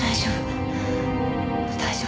大丈夫。